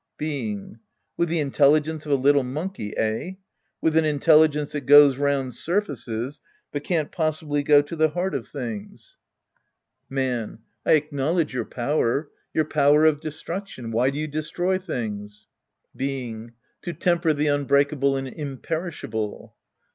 Being. With the intelligence of a little mon key, eh? With an intelligence that goes round surfaces, but can't possibly go to the heart of things. , 6 The Priest and His Disciples ind. Man. I acknowledge your power. Your power of destruction. Why do you destroy things ? Beingl To temper the unbreakable and imper ishable.